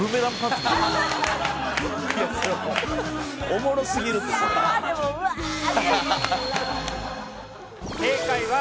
おもろすぎるってそれは。